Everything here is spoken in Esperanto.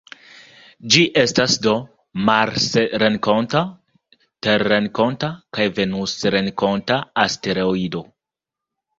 Ĝi estas do marsrenkonta, terrenkonta kaj venusrenkonta asteroido.